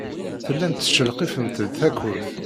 Tellamt tettcelqifemt-d takurt.